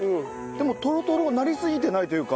でもトロトロになりすぎてないというか。